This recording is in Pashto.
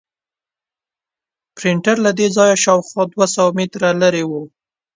پرنټر له دې ځایه شاوخوا دوه سوه متره لرې و.